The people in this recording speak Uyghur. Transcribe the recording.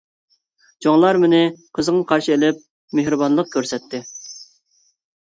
چوڭلار مېنى قىزغىن قارشى ئېلىپ، مېھرىبانلىق كۆرسەتتى.